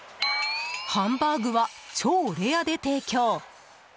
ハンバーグは超レアで提供。